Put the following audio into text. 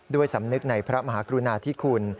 สำนึกในพระมหากรุณาธิคุณ